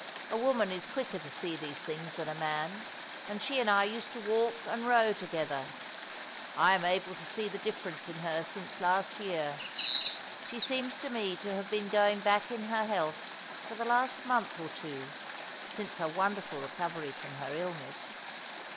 A woman is quicker to see these things than a man — and she and I used to walk and row together— I am able to see the difference in her since last year. She seems to me to have been going back in her health for the last month or two, since her wonderful recovery from her illness.